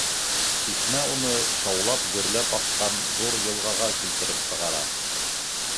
Шишмә уны шаулап-гөрләп аҡҡан ҙур йылғаға килтереп сығара.